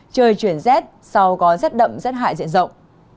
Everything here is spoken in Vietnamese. trời chuyển rét sau có rét đậm rét hại diện rộng